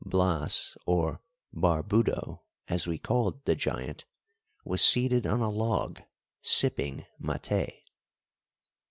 Blas, or Barbudo, as we called the giant, was seated on a log sipping maté.